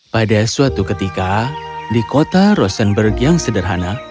pada suatu ketika di kota rosenberg yang sederhana